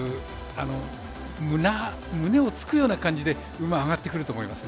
胸をつくような感じで馬、上がってくると思います。